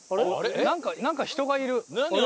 なんかなんか人がいる。